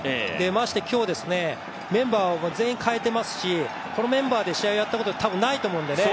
まして、今日、メンバーを全員かえていますしこのメンバーで試合をやったことって、多分ないと思うのでね